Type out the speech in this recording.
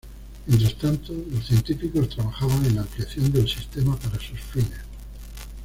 Mientras tanto, los científicos trabajaban en la ampliación del sistema para sus fines.